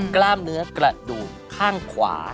กล้ามเนื้อกระดูกข้างขวา